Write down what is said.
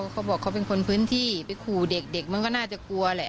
เขาบอกเขาเป็นคนพื้นที่ไปขู่เด็กเด็กมันก็น่าจะกลัวแหละ